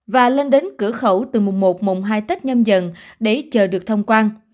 và lên đến cửa khẩu từ mùng một mùng hai tết nhâm dần để chờ được thông quan